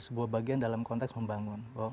sebuah bagian dalam konteks membangun